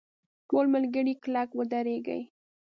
ټول ملګري کلک ودرېږئ!.